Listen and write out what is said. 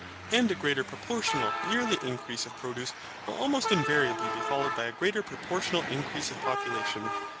And a greater proportional yearly increase of produce will almost invariably be followed by a greater proportional increase of population.